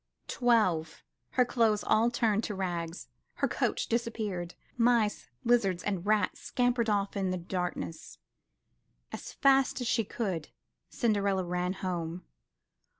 Twelve! Her clothes all turned to rags ! Her coach disappeared ! Mice, lizards and rat scampered off in the darkness. As fast as she could, Cinderella ran home.